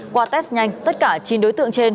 qua test nhanh tất cả chín đối tượng trên